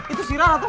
itu sirah ratul